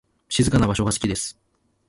静かな場所が好きです。